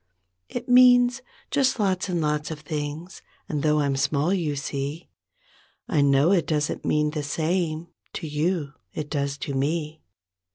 It means just lots and lots of things And though I'm small, you see, I know it doesn't mean the same To you, it does to me.